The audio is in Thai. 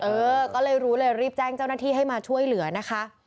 เออก็เลยรู้เลยรีบแจ้งเจ้าหน้าที่ให้มาช่วยเหลือนะคะ